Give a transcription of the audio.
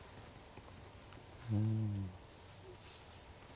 うん。